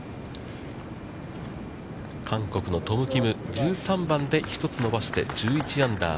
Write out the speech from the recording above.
韓国のトム・キム、１３番で１つ伸ばして、１１アンダー。